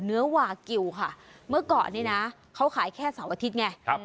เนื้อวากิลค่ะเมื่อก่อนนี้นะเขาขายแค่เสาร์อาทิตย์ไงครับ